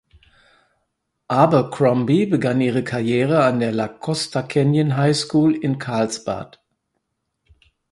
Abercrombie begann ihre Karriere an der La Costa Canyon High School in Carlsbad.